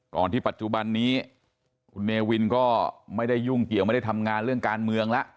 ที่ปัจจุบันนี้คุณเนวินก็ไม่ได้ยุ่งเกี่ยวไม่ได้ทำงานเรื่องการเมืองแล้ว